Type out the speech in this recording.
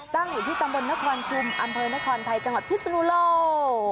ตั้งอยู่ที่ตำบลนครชุมอำเภอนครไทยจังหวัดพิศนุโลก